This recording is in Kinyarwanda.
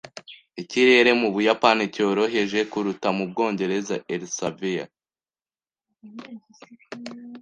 Ikirere mu Buyapani cyoroheje kuruta mu Bwongereza. (ellasevia)